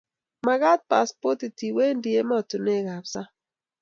magat passportit iwendi ematinwek ab sang'